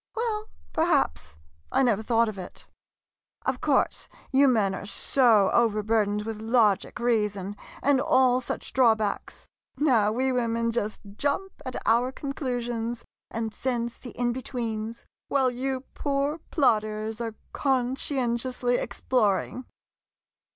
Well — perhaps, I never thought of it. Of course, you men are so overbur dened with logic, reason, and all such draw backs. Now we women just jump at our conclusions and sense the in betweens, while you poor plodders are conscientiously ex ploring!